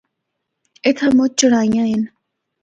اِتھا مُچ چڑھائیاں ہن۔